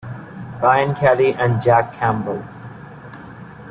Ryan Kelly and Jack Campbell.